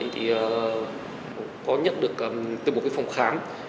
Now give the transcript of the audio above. thì có nhắc được từ một cái phòng khám